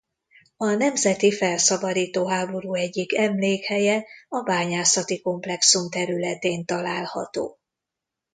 A nemzeti felszabadító háború egyik emlékhelye a bányászati komplexum területén található.